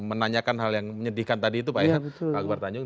menanyakan hal yang menyedihkan tadi itu pak akbar tanjung